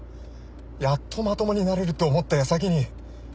やっとまともになれるって思った矢先に。